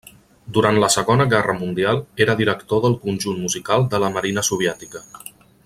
Durant la segona guerra mundial era director del conjunt musical de la marina soviètica.